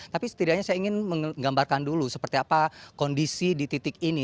tapi setidaknya saya ingin menggambarkan dulu seperti apa kondisi di titik ini